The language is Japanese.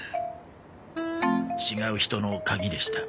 違う人の鍵でした。